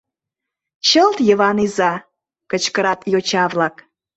Чылт Йыван иза! — кычкырат йоча-влак.